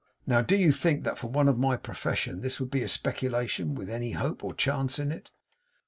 Now, do you think that for one of my profession, this would be a speculation with any hope or chance in it?